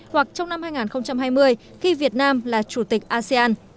hoặc trong năm hai nghìn hai mươi khi việt nam là chủ tịch asean